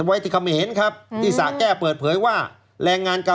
ไว้ที่เขมรที่สาแก้เปิดเผยว่า